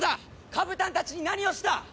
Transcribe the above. カブタンたちに何をした！？